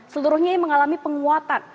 seluruhnya mengalami penguatan